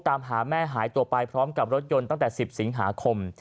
ตามหาแม่หายตัวไปพร้อมกับรถยนต์ตั้งแต่๑๐สิงหาคม